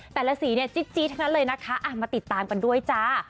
แต่ละสีเนี่ยจี๊ดทั้งนั้นเลยนะคะมาติดตามกันด้วยจ้า